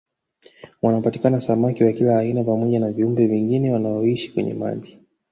Wanapatikana samaki wa kila aina pamoja wa viumbe vingine wanaoishi kwenye maji